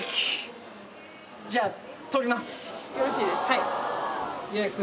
はい。